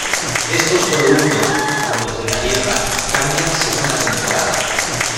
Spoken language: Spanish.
Estos productos, como los de la tierra, cambian según la temporada.